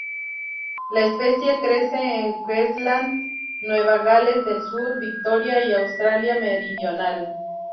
La especie crece en Queensland, Nueva Gales del Sur, Victoria y Australia Meridional.